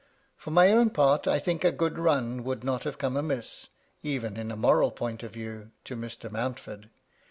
For my own part, I think a good run would not have come amiss, even in a moral point of view, to Mr. Mountford.